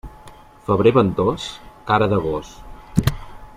Febrer ventós, cara de gos.